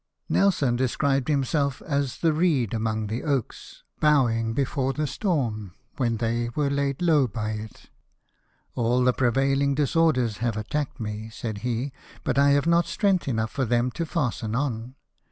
Nelson described himself as the reed among the oaks, bowing before the storm . when they were laid low by it. "All the prevailing dis orders have attacked me," said he, " bnt I have not strength enough for them to fasten on."